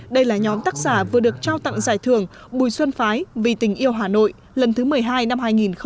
đây là nhóm tác giả vừa được trao tặng giải thưởng bùi xuân phái vì tình yêu hà nội lần thứ một mươi hai năm